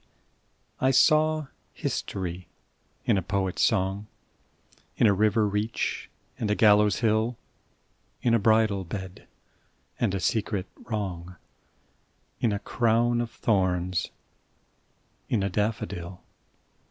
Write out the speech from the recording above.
SYMBOLS I saw history in a poet's song, In a river reach and a gallows hill, In a bridal bed, and a secret wrong, In a crown of thorns: in a daffodil.